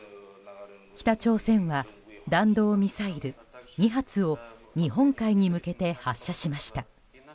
北朝鮮は弾道ミサイル２発を日本海に向けて発射しました。